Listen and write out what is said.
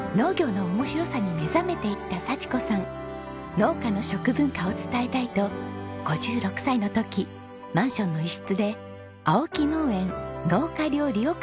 農家の食文化を伝えたいと５６歳の時マンションの一室で青木農園農家料理を開店。